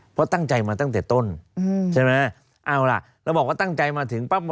เพราะตั้งใจมาตั้งแต่ต้นเราบอกว่าตั้งใจมาถึงปั๊บ